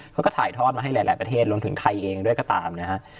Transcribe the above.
เขาก็ถ่ายทอดมาให้หลายประเทศรวมถึงไทยเองด้วยก็ตามนะฮะ